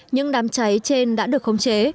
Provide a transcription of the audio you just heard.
những đám cháy trên đã được khống chế